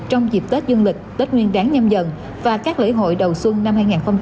trong dịp tết dương lịch tết nguyên đáng nhâm dần và các lễ hội đầu xuân năm hai nghìn hai mươi bốn